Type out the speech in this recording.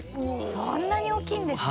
そんなに大きいんですね。